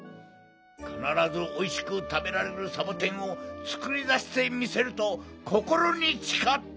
かならずおいしくたべられるサボテンをつくりだしてみせるとこころにちかった。